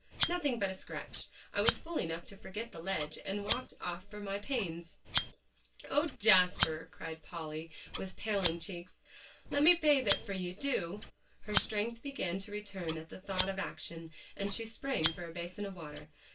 "Nothing but a scratch. I was fool enough to forget the ledge, and walked off for my pains" "Oh, Jasper!" cried Polly, with paling cheeks, "let me bathe it for you, do;" her strength began to return at the thought of action, and she sprang for a basin of water.